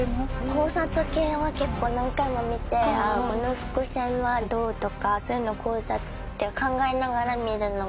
考察系は結構何回も見てこの伏線はどうとかそういうのを考察して考えながら見るのが。